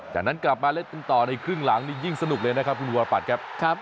จากนั้นกลับมาเล่นกันต่อในครึ่งหลังนี่ยิ่งสนุกเลยนะครับคุณวรปัตรครับ